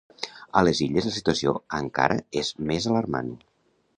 A les Illes la situació encara és més alarmant.